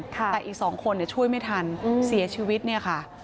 แต่อีก๒คนช่วยไม่ทันเสียชีวิตเนี่ยค่ะ